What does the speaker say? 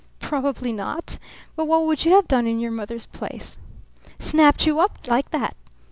"Probably not! But what would you have done in your mother's place?" "Snapped you up like that!"